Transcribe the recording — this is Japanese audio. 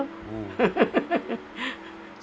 フフフフ！